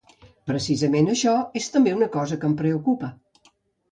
Precisament això és també una cosa que em preocupa.